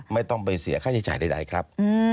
ไม่ต้องไปเสียค่าใช้จ่ายใดครับ